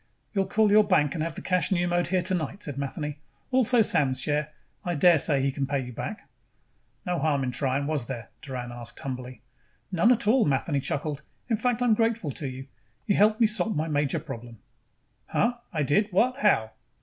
"You'll call your bank and have the cash pneumoed here tonight," said Matheny. "Also Sam's share. I daresay he can pay you back." "No harm in trying, was there?" asked Doran humbly. "None at all." Matheny chuckled. "In fact, I'm grateful to you. You helped me solve my major problem." "Huh? I did what? How?"